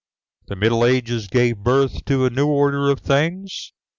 The Middle Ages gave birth to a new order of things.